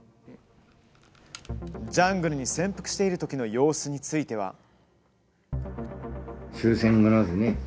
ジャングルに潜伏しているときの様子については。